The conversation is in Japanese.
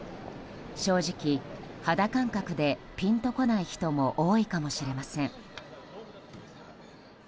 正直、肌感覚でピンと来ない人も多いかもしれません。